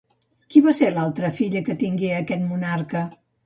Qui va ser l'altra filla que tingué aquest monarca?